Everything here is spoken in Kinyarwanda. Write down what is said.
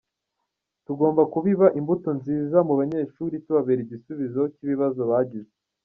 Tugomba kubiba imbuto nziza mu banyeshuri tubabera igisubizo cy’ibibazo bagize ».